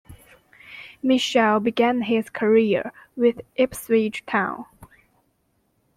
Mitchell began his career with Ipswich Town.